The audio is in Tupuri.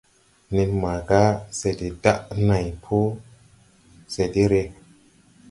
Nen maaga se de daʼ nãy po, se de re.